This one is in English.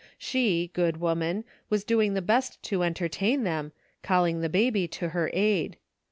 She, good woman, was doing the best to entertain them, calling the baby to her aid.